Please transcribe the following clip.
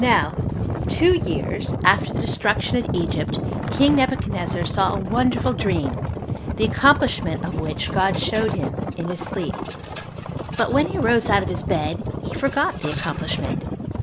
3. Now two years after the destruction of Egypt, king Nebuchadnezzar saw a wonderful dream, the accomplishment of which God showed him in his sleep; but when he arose out of his bed, he forgot the accomplishment.